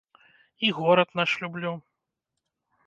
І горад наш люблю.